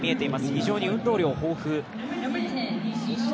非常に運動量豊富。